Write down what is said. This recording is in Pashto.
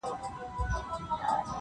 o یاره ستا خواږه کاته او که باڼه وي,